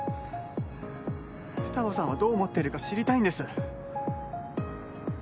双葉さんはどう思ってるか知りたいんです！